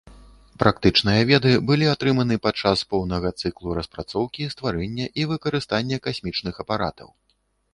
Практычныя веды былі атрыманы падчас поўнага цыклу распрацоўкі, стварэння і выкарыстання касмічных апаратаў.